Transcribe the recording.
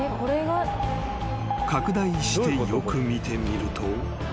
［拡大してよく見てみると］